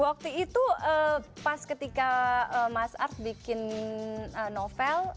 waktu itu pas ketika mas art bikin novel